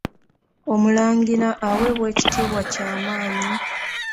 Omulangira aweebwa ekitiibwa kyamaanyi.